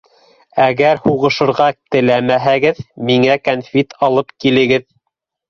Әгәр һуғышырға теләмәһәгеҙ, миңә кәнфит алып килегеҙ.